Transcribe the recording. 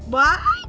baik baik banget mas